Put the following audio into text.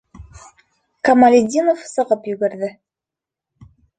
Камалетдинов сығып йүгерҙе...